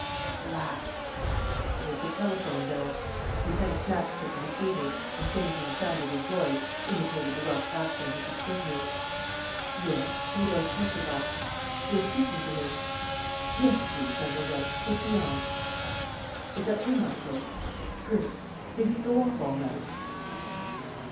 ... At last!" It was the telephone bell. Lupin snatched at the receiver and, changing the sound of his voice, imitated the rough accent of his prisoner: "Yes, Rudolf Kesselbach ... you're speaking to him. ... Yes, please, mademoiselle, put me on. ... Is that you, Marco? ... Good. ... Did it go off all right?